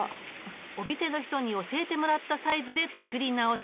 お店の人に教えてもらったサイズで作り直し。